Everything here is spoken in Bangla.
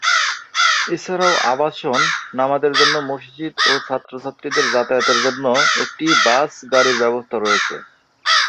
এছাড়াও আবাসন, নামাজের জন্য মসজিদ ও ছাত্র/ছাত্রীদের যাতায়াতের জন্য একটি বাস গাড়ির ব্যবস্থা রয়েছে।